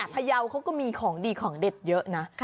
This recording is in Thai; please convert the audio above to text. พยาวเขาก็มีของดีของเด็ดเยอะนะ